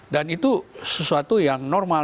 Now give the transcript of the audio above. dan itu sesuatu yang normal